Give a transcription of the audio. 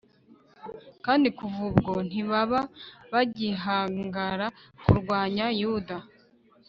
kandi kuva ubwo ntibaba bagihangara kurwanya yuda